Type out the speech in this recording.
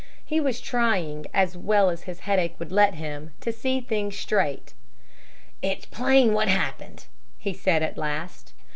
He was trying, as well as his headache would let him, to see things straight. "It's plain what happened," he said at last.